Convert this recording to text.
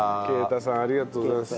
啓太さんありがとうございます。